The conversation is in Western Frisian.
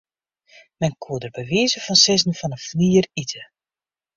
Men koe der by wize fan sizzen fan 'e flier ite.